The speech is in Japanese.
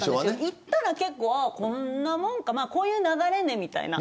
行ったら結構、こんなもんか、とこういう流れね、みたいな。